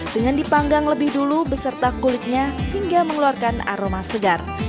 dengan dipanggang lebih dulu beserta kulitnya hingga mengeluarkan aroma segar